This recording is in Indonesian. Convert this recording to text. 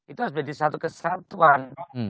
itu harus menjadi satu kesatuan